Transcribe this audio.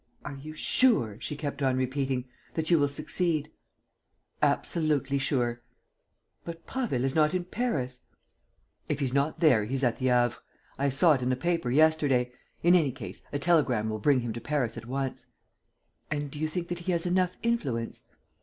"Are you sure," she kept on repeating, "that you will succeed?" "Absolutely sure." "But Prasville is not in Paris." "If he's not there, he's at the Havre. I saw it in the paper yesterday. In any case, a telegram will bring him to Paris at once." "And do you think that he has enough influence?"